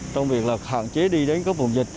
trong việc là hạn chế đi đến các vùng dịch